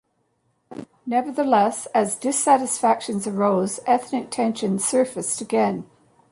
Nevertheless, as dissatisfaction arose, ethnic tensions surfaced again.